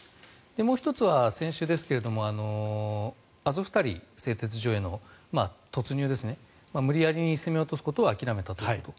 もう１つは先週ですがアゾフスタリ製鉄所への突入無理矢理に攻め落とすことを諦めたということ。